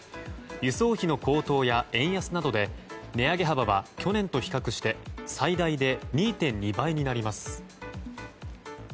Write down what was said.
輸送費の高騰や円安などで、値上げ幅は去年と比較して最大で２．２倍になります。